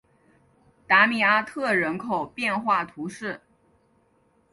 达米阿特人口变化图示